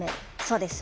そうです。